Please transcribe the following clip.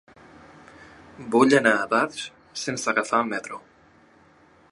Vull anar a Barx sense agafar el metro.